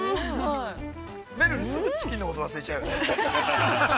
◆めるる、すぐチキンのこと忘れちゃうよね。